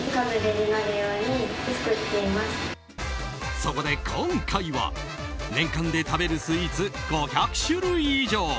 そこで今回は、年間で食べるスイーツ５００種類以上。